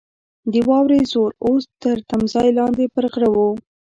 د واورې زور اوس تر تمځای لاندې پر غره وو.